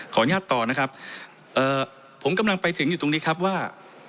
ขออนุญาตต่อนะครับผมกำลังไปถึงอยู่ตรงนี้ครับว่า